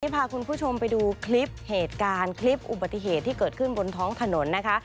พาคุณผู้ชมไปดูคลิปเหตุการณ์คลิปอุบัติเหตุที่เกิดขึ้นบนท้องถนนนะคะ